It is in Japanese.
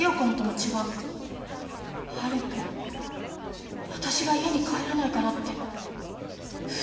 はるくん私が家に帰らないからって不。